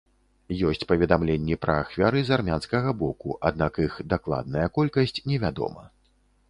Ёсць паведамленні пра ахвяры з армянскага боку, аднак іх дакладная колькасць невядома.